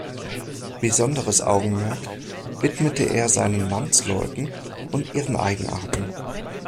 Besonderes Augenmerk widmete er seinen Landsleuten und ihren Eigenarten.